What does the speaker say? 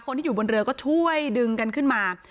คนที่อยู่บนเรือก็ช่วยดึงกันขึ้นมา